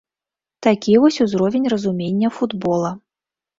Такі вось узровень разумення футбола.